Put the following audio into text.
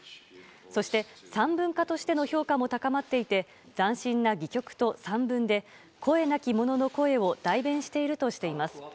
そして、散文家としての評価も高まっていて斬新な戯曲と散文で声なきものの声を代弁しているとしています。